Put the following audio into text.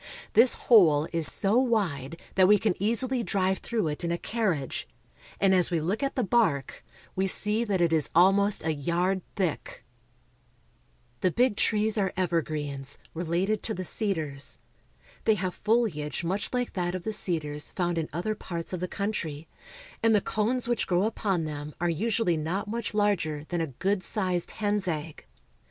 This hole is so wide that we can easily drive through it in a carriage, and as we look at the bark, we see that it is almost a yard thick. A Big Tree. 2/2 CALIFORNIA. The big trees are evergreens, related to the cedars. They have foliage much like that of the cedars found in other parts of the country, and the cones which grow upon them are usually not much larger than a good sized hen's egg.